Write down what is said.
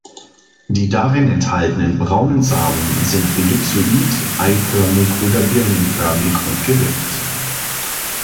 Die darin enthaltenen braunen Samen sind ellipsoid, eiförmig oder birnenförmig und gerippt.